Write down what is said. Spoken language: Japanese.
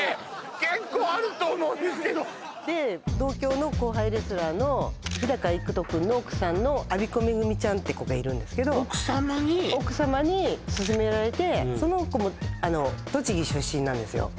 結構あると思うんですけどで同郷の後輩レスラーの日高郁人君の奥さんのあびこめぐみちゃんって子がいるんですけど奥様に奥様に薦められてその子も栃木出身なんですよ